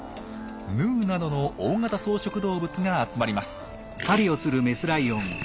ヌーなどの大型草食動物が集まります。